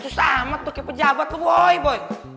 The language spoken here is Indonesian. susah amat tuh kayak pejabat tuh boy boy